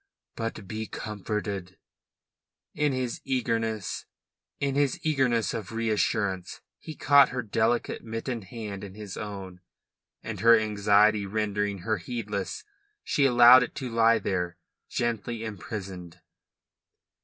But be comforted." In his eagerness of reassurance he caught her delicate mittened hand in his own, and her anxiety rendering her heedless, she allowed it to lie there gently imprisoned.